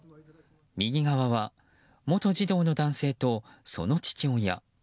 右側は元児童の男性と、その父親。